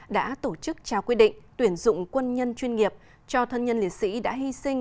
đã tổ chức trao quy định tuyển dụng quân nhân chuyên nghiệp cho thân nhân liệt sĩ đã hy sinh